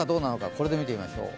これで見てみましょう。